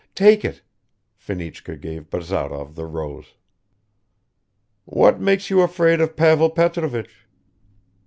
Take it." Fenichka gave Bazarov the rose. "What makes you afraid of Pavel Petrovich?"